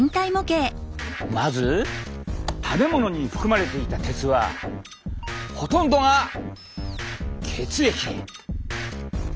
まず食べ物に含まれていた鉄はほとんどが血液へ。